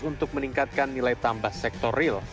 untuk meningkatkan nilai tambah sektor real